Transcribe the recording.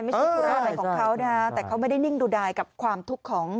ธุระอะไรของเขานะฮะแต่เขาไม่ได้นิ่งดูดายกับความทุกข์ของ